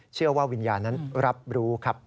เชื่อว่าวิญญาณนั้นรับรู้ครับ